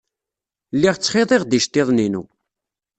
Lliɣ ttxiḍiɣ-d iceḍḍiḍen-inu.